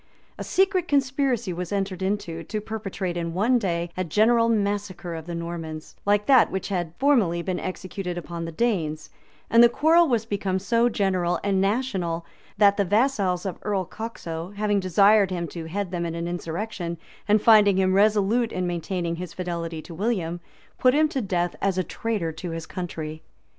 A secret conspiracy was entered into, to perpetrate in one day, a general massacre of the Normans, like that which had formerly been executed upon the Danes; and the quarrel was become so general and national, that the vassals of Earl Coxo, having desired him to head them in an insurrection, and finding him resolute in maintaining his fidelity to William, put him to death as a traitor to his country.